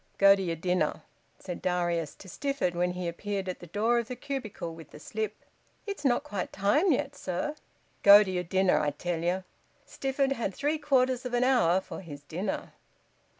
"Go to yer dinner," said Darius to Stifford, when he appeared at the door of the cubicle with the slip. "It's not quite time yet, sir." "Go to yer dinner, I tell ye." Stifford had three quarters of an hour for his dinner.